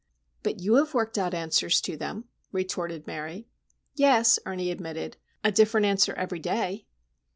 "But you have worked out answers to them," retorted Mary. "Yes," Ernie admitted: "a different answer every day."